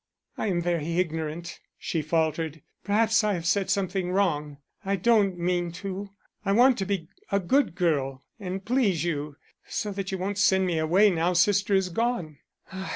"I am very ignorant," she faltered; "perhaps I have said something wrong. I don't mean to, I want to be a good girl and please you, so that you won't send me away now sister is gone.